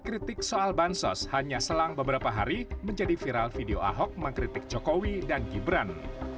kritik soal bansos hanya selang beberapa hari menjadi viral video ahok mengkritik jokowi dan gibran